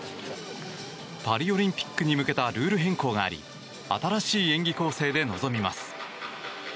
パリオリンピックに向けたルール変更があり新しい演技構成で臨みます。